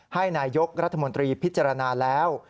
ให้นายกรัฐมนตรีพิจารณาแล้ว